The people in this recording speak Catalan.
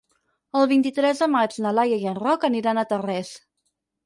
El vint-i-tres de maig na Laia i en Roc aniran a Tarrés.